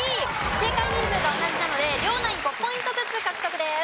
正解人数が同じなので両ナイン５ポイントずつ獲得です。